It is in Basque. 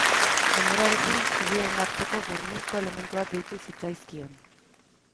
Denborarekin, zubia indartzeko, burnizko elementuak gehitu zitzaizkion.